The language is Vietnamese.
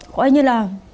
có như là